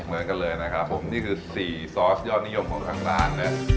ส่วนใหญ่ของพวกผมนี่คือ๔ซอสยอดนิยมของทางร้าน